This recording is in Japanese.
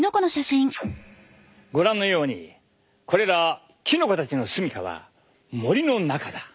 ご覧のようにこれらキノコたちの住みかは森の中だ。